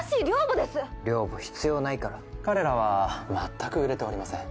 寮母必要ないから・彼らは全く売れておりません・